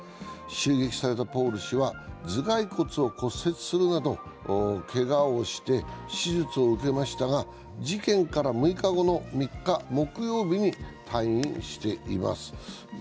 襲撃されたポール氏は頭蓋骨を骨折するなどけがをして手術を受けましたが、事件から６日後の３日木曜日に退院しています。